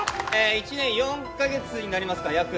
１年４か月になりますか約。